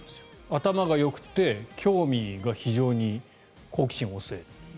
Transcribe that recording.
頭がよくて興味が非常に好奇心旺盛。